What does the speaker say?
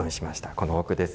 この奥です。